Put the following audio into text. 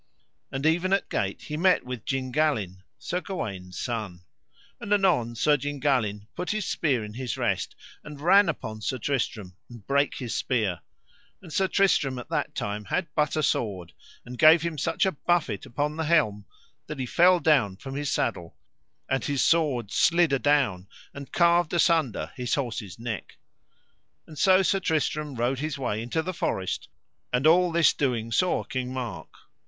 And even at gate he met with Gingalin, Sir Gawaine's son. And anon Sir Gingalin put his spear in his rest, and ran upon Sir Tristram and brake his spear; and Sir Tristram at that time had but a sword, and gave him such a buffet upon the helm that he fell down from his saddle, and his sword slid adown, and carved asunder his horse's neck. And so Sir Tristram rode his way into the forest, and all this doing saw King Mark.